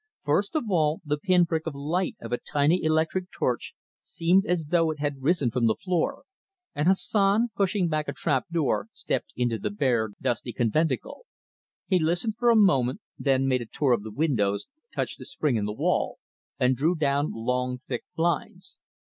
First of all, the pinprick of light of a tiny electric torch seemed as though it had risen from the floor, and Hassan, pushing back a trap door, stepped into the bare, dusty conventicle. He listened for a moment, then made a tour of the windows, touched a spring in the wall, and drew down long, thick blinds.